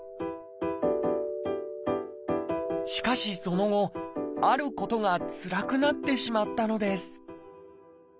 しかしその後あることがつらくなってしまったのです。